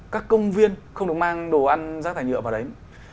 các công viên không được mang đồ ăn rác thải nhựa vào đấy